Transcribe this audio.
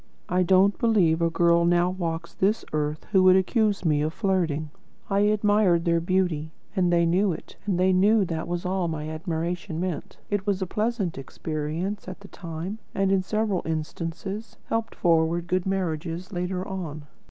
I don't believe a girl now walks this earth who would accuse me of flirting. I admired their beauty, and they knew it, and they knew that was all my admiration meant. It was a pleasant experience at the time, and, in several instances, helped forward good marriages later on.